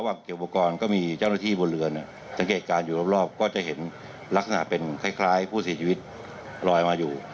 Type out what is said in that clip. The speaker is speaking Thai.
สังเกตการณ์อยู่รอบก็จะเห็นลักษณะเป็นคล้ายผู้ศีลชีวิตรอยมาอยู่